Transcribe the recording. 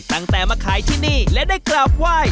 ตั้งแต่มาขายที่นี่และได้กราบไหว้